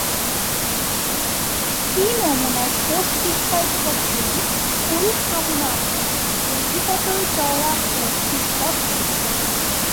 স্ত্রী নমুনায় post discal ছোপগুলি পুরুষ নমুনা অপেক্ষা অধিকতর চওড়া ও সুস্পষ্ট।